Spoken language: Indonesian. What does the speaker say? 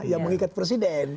yang mengikat presiden